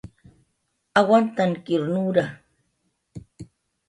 awantankir nura